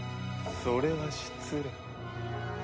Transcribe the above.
それは失礼。